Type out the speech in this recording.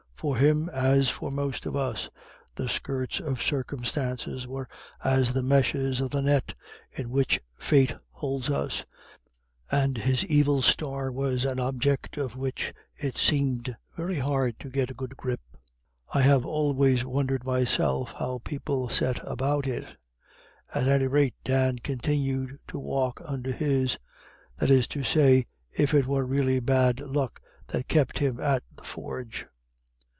For him, as for most of us, the skirts of circumstance were as the meshes of the net in which Fate holds us, and his evil star was an object of which it seemed very hard to get a good grip. I have always wondered myself how people set about it. At any rate, Dan continued to walk under his; that is to say, if it were really bad luck that kept him at the forge.